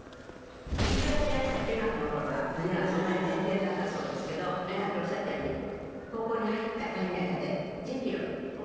「陸上やってらした中学の頃は胸はそんなに全然だったそうですけどさっきおっしゃったように高校に入ったか入らないかで１０キロお太りになって」